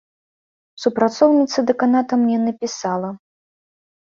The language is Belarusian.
Супрацоўніца дэканата мне напісала.